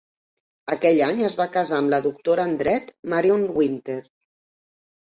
Aquell any es va casar amb la Doctora en Dret Marion Winter.